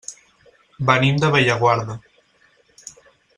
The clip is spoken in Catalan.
Venim de Bellaguarda.